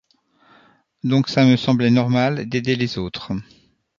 Donc, ça me semblait normal d’aider les autres.